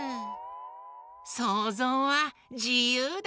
そうぞうはじゆうだ！